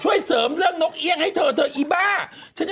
ช่วยเสริมเรื่องนกเอี่ยงให้เธอเธออีบ้า